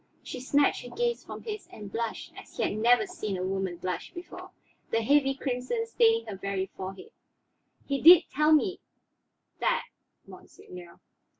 She snatched her gaze from his and blushed as he had never seen a woman blush before, the heavy crimson staining her very forehead. "He did tell me that, monseigneur."